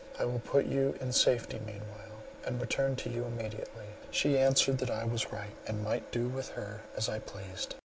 I will put you in safety meanwhile, and return to you immediately." She answered that I was right, and might do with her as I pleased.